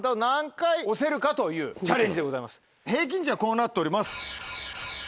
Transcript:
平均値はこうなっております。